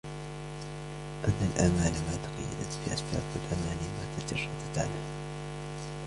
أَنَّ الْآمَالَ مَا تَقَيَّدَتْ بِأَسْبَابٍ ، وَالْأَمَانِيَ مَا تَجَرَّدَتْ عَنْهَا